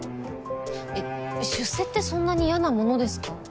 えっ出世ってそんなに嫌なものですか？